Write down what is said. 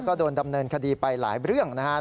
ก็โดนดำเนินคดีไปหลายเรื่องนะครับ